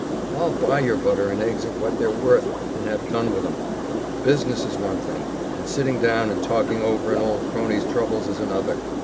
I'll buy your butter and eggs at what they're worth and have done with 'em. Business is one thing, and sitting down and talking over an old crony's troubles is another.